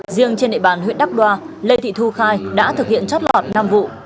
riêng trên địa bàn huyện đắk đoa lê thị thu khai đã thực hiện chót lọt năm vụ